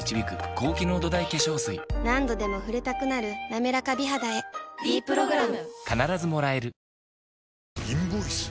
何度でも触れたくなる「なめらか美肌」へ「ｄプログラム」